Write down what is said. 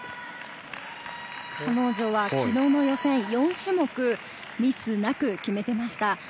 彼女は昨日の予選４種目、ミスなく決めていました。